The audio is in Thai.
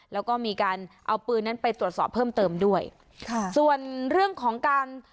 แล้วก็มีการเอาปืนนั้นไปตรวจสอบเพิ่มเติมด้วยค่ะส่วนเรื่องของการ